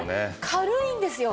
軽いんですよ。